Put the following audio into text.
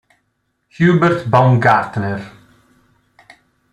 Hubert Baumgartner